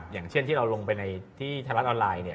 อย่างเช่นที่เราลงไปในที่ไทยรัฐออนไลน์เนี่ย